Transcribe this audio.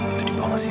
itu dibawa sia sia